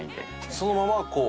そのままこう。